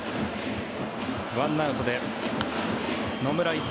１アウトで野村勇